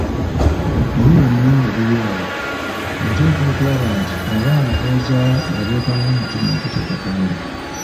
Ebyo byonna nga biri awo, oteekwa okulaba nti abaana b’ozaala obateekamu omutima ogutya Katonda.